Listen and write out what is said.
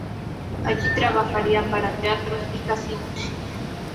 Allí trabajaría para teatros y casinos.